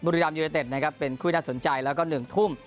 กับบุรีรัมย์ยูในเต็ดนะครับเป็นคุณสนใจแล้วก็๑ทุ่ม